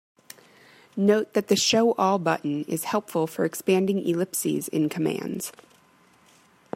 Note that the "Show all" button is helpful for expanding ellipses in commands.